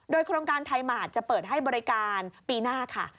โดยโครงการไทยหมาดจะเปิดให้บริการปีหน้าค่ะ